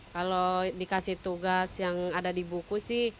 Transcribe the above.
kalau dikasih tugas yang ada di buku sih